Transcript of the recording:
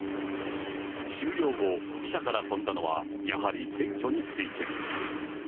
終了後、記者から飛んだのはやはり選挙について。